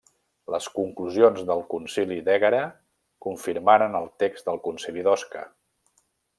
Les conclusions del Concili d'Ègara confirmaren el text del Concili d'Osca.